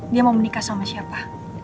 dia mau menikah sama siapa